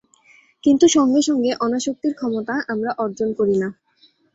কিন্তু সঙ্গে সঙ্গে অনাসক্তির ক্ষমতা আমরা অর্জন করি না।